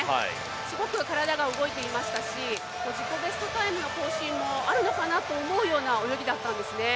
すごく体が動いていましたし自己ベストタイムの更新もあるのかなと思うような泳ぎだったんですね。